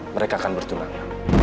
mereka akan bertunang